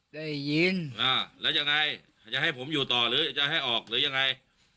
ได้ยินแล้วยังไงจะให้ผมอยู่ต่อหรือจะให้ออกหรือยังไง